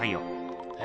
え？